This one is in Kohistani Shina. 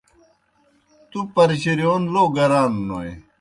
تُوْ پرجِرِیون لو گران نوئے۔